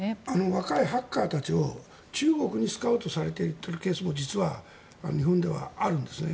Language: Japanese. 若いハッカーたちを中国にスカウトされていっているケースも実は日本ではあるんですね。